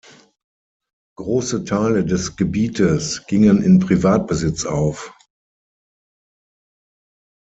Große Teile des Gebietes gingen in Privatbesitz auf.